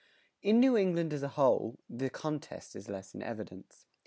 In New England as a whole, the contest is less in evidence.